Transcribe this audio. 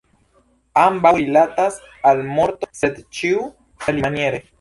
Ambaŭ rilatas al morto, sed ĉiu alimaniere.